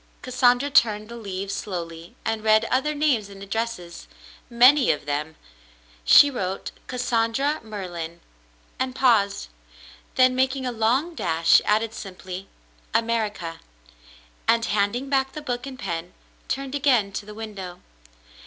Cassandra turned the leaves slowly and read other names and addresses — many of them. She wrote "Cassandra Merlin —" and paused; then, making a long dash, added simply, "America,'* and, handing back the book and pen, turned again to the window.